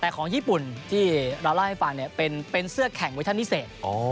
แต่ของญี่ปุ่นที่เราเล่าให้ฟังเนี่ยเป็นเสื้อแข่งเวชั่นพิเศษ